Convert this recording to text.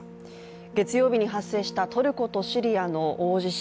月曜日に発生したトルコとシリアの大地震。